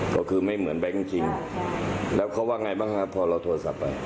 ก็คือไม่เหมือนแบงค์จริงแล้วเขาว่าไงบ้างครับพอเราโทรศัพท์ไป